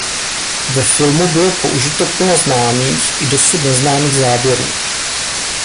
Ve filmu bylo použito plno známých i dosud neznámých záběrů.